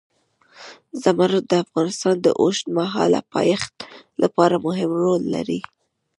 زمرد د افغانستان د اوږدمهاله پایښت لپاره مهم رول لري.